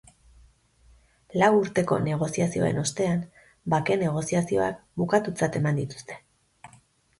Lau urteko negoziazioen ostean, bake negoziazioak bukatutzat eman dituzte.